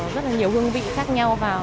rất là nhiều hương vị khác nhau vào